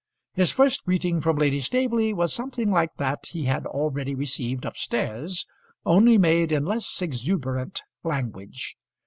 His first greeting from Lady Staveley was something like that he had already received up stairs, only made in less exuberant language.